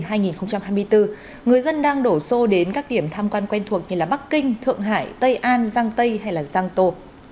trong năm hai nghìn hai mươi hai nghìn hai mươi bốn người dân đang đổ xô đến các điểm tham quan quen thuộc như bắc kinh thượng hải tây an giang tây hay giang tô